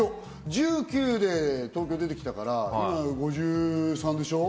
１９で東京に出てきたから、５３でしょ。